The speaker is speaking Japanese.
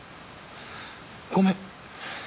ごめん。